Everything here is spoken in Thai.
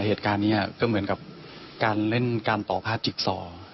เหตุการณ์นี้ก็เหมือนกับการเล่นการต่อผ้าจิกซอ